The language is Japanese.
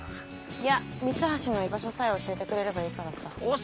いや三橋の居場所さえ教えてくれればいいからさ。